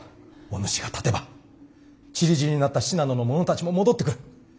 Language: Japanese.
おぬしが立てばちりぢりになった信濃の者たちも戻ってくる。